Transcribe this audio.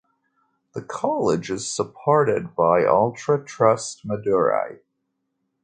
The college is supported by Ultra Trust Madurai.